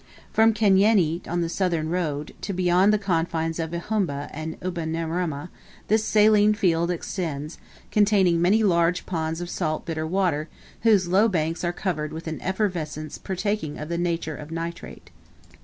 From Kanyenyi on the southern road, to beyond the confines of Uhumba and Ubanarama, this saline field extends, containing many large ponds of salt bitter water whose low banks are covered with an effervescence partaking of the nature of nitrate.